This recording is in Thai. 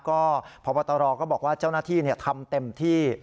ก็พบตรก็บอกว่าเจ้าหน้าที่ทำเต็มที่